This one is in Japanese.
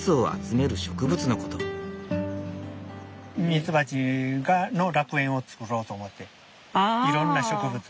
ミツバチの楽園を作ろうと思っていろんな植物を植えていってます。